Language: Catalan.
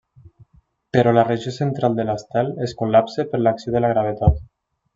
Però la regió central de l'estel es col·lapsa per l'acció de la gravetat.